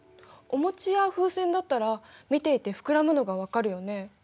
お餅や風船だったら見ていて膨らむのが分かるよね。